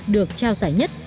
được trao giải nhất